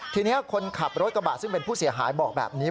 ทีนี้คนขับรถกระบะซึ่งเป็นผู้เสียหายบอกแบบนี้